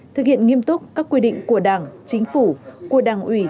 thực hiện nghiêm túc các quy định của đảng chính phủ của đảng ủy